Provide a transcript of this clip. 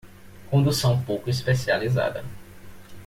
Condução pouco especializada